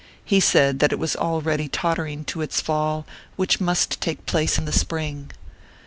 He said that it was already tottering to its fall, which must take place in the Spring.